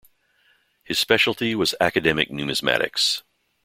His speciality was academic numismatics.